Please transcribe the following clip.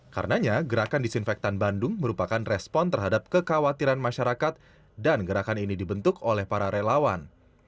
karenanya gerakan disinfektan bandung merupakan respon terhadap kekhawatiran masyarakat dan gerakan ini dibentuk oleh para relawan